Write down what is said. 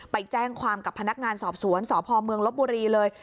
ไปแจ้งความกับพนักงานสอบสวนสพเมืองลบบุรีเลย